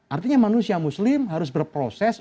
artinya manusia muslim harus berproses